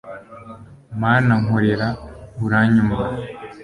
mana nkorera uranyumva